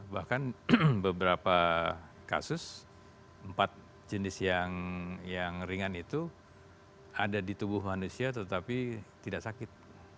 bahkan beberapa kasus empat jenis yang ringan itu ada di tubuh manusia tetapi tidak sakit